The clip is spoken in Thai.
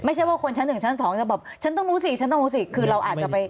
ไม่ใช่ว่าคนชั้นหนึ่งชั้นสองจะบอกฉันต้องรู้สิฉันต้องรู้สิคือเราอาจจะไป